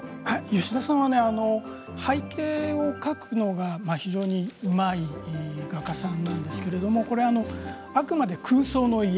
吉田さんは背景を描くのが非常にうまい画家さんなんですけれどもあくまで空想の家